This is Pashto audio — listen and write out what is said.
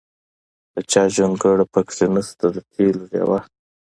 د چا جونګړه پکې نشته د تېلو ډیوه.